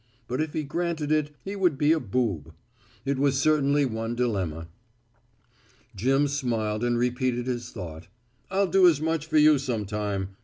But if he granted it he would be a boob. It was certainly one dilemma. Jim smiled and repeated his thought. "I'll do as much for you some time.